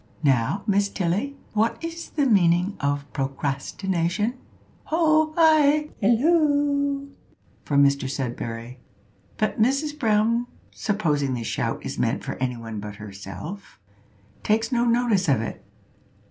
"Now, Miss Tilly, what is the meaning of procrastination?" ("Ho! hi! halloo o o o," from Mr Sudberry; but Mrs Brown, supposing the shout is meant for any one but herself; takes no notice of it.)